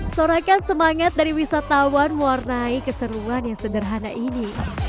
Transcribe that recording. sorakan semangat dari wisatawan warnai keseruan yang sederhana ini